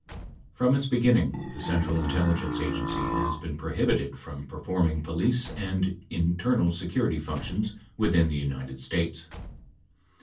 From its beginning, the Central Intelligence Agency has been pro hibited from performing police and internal security functions within the United States.